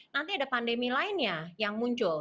nanti ada pandemi lainnya yang muncul